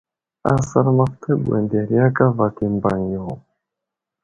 Asər məftay gwanderiya kava mbaŋ yo.